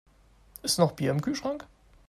Ist noch Bier im Kühlschrank?